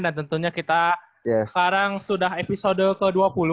dan tentunya kita sekarang sudah episode ke dua puluh